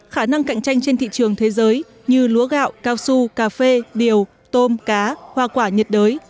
khả năng cạnh tranh trên thị trường thế giới như lúa gạo cao su cà phê điều tôm cá hoa quả nhiệt đới